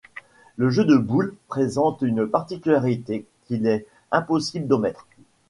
Le jeu de boules présente une particularité qu’il est impossible d’omettre.